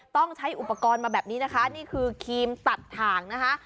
ต้องใช้อุปกรณ์มาแบบนี้นะคะนี่คือครีมตัดถ่างนะคะ